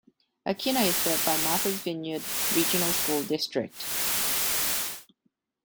Aquinnah is served by Martha's Vineyard Regional School District.